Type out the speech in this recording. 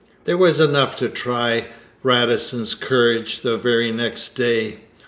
Brock] There was enough to try Radisson's courage the very next day.